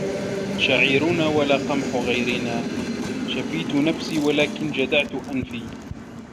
شعيرنا ولا قمح غيرنا شفيت نفسي ولكن جدعت أنفي